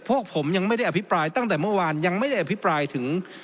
พวกผมยังไม่ได้อภิปรายตั้งแต่เมื่อวานยังไม่ได้อภิปรายถึง